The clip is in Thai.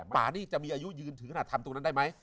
ป่านี่จะมีอายุยืนถึงขนาดทำตรงนั้นได้ไหม